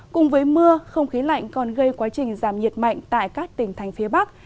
cùng với mưa không khí lạnh còn gây quá trình giảm nhiệt mạnh tại các tỉnh thành phía bắc